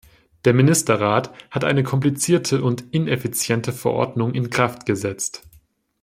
Der Ministerrat hat eine komplizierte und ineffiziente Verordnung in Kraft gesetzt.